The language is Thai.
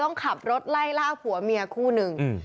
ต้องขับรถไล่ล่าผัวเมียคู่หนึ่ง